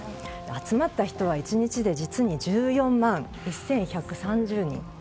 集まった人は１日で実に１４万１１３０人。